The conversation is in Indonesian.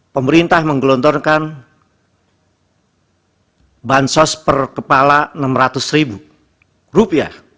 pemerintah menggelontorkan bansos per kepala rp enam ratus